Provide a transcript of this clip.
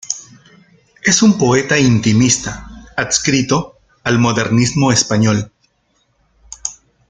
Es un poeta intimista adscrito al Modernismo español.